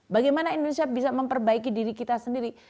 bagaimana indonesia bisa memperbaiki diri kita sendiri